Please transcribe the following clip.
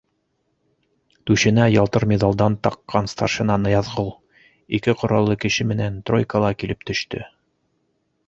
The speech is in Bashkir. Түшенә ялтыр миҙалдар таҡҡан старшина Ныязғол ике ҡораллы кеше менән тройкала килеп төштө.